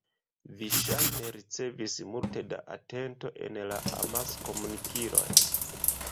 Vi ŝajne ricevis multe da atento en la amaskomunikiloj.